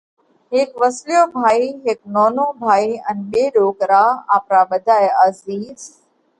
هيڪ وسليو ڀائِي، هيڪ نونو ڀائِي ان ٻي ڏوڪرا آپرا ٻڌائِي عزِيز،